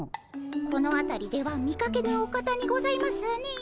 このあたりでは見かけぬお方にございますねえ。